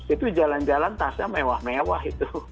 itu jalan jalan tasnya mewah mewah itu